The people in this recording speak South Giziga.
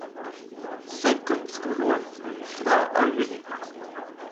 Senkum sukumɗuhoy slra a wimi le.